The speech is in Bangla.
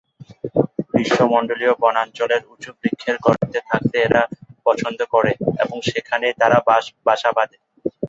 গ্রীষ্মমণ্ডলীয় বনাঞ্চলের উঁচু বৃক্ষের গর্তে থাকতে এরা পছন্দ করে এবং সেখানেই তারা বাসা বাঁধে।